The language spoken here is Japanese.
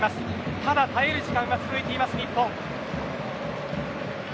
ただ、耐える時間が続いています日本。